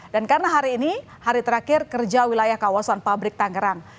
dan karena hari ini hari terakhir kerja wilayah kawasan pabrik tangerang